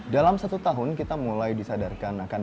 dalam satu tahun kita mulai disadarkan akan